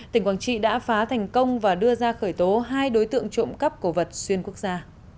tỉnh quảng trị đã phá thành công và đưa ra khởi tố hai đối tượng trộm cắp cổ vật xuyên quốc gia